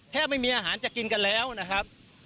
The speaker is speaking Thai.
ไม่มีอาหารจะกินกันแล้วนะครับ